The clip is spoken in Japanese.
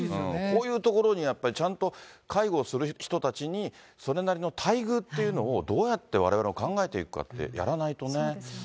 こういうところにやっぱり、ちゃんと介護をする人たちに、それなりの待遇っていうのを、どうやってわれわれ考えていくかってやらないとね。